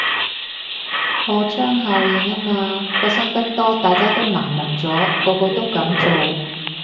破窗效應吖嘛，發生得多大家都麻木咗，個個都噉做